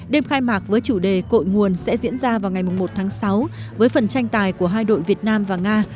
đêm khai mạc với chủ đề cội nguồn sẽ diễn ra vào ngày một tháng sáu với phần tranh tài của hai đội việt nam và nga